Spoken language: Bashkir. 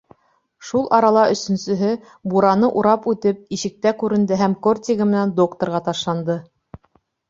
Шул арала өсөнсөһө, бураны урап үтеп, ишектә күренде һәм кортигы менән докторға ташланды.